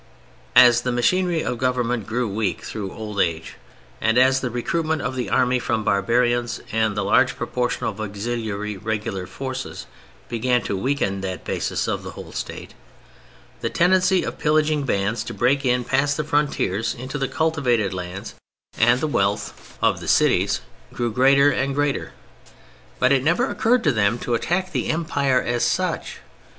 As the machinery of Government grew weak through old age, and as the recruitment of the Army from barbarians and the large proportion of auxiliary regular forces began to weaken that basis of the whole State, the tendency of pillaging bands to break in past the frontiers into the cultivated lands and the wealth of the cities, grew greater and greater; but it never occurred to them to attack the Empire as such.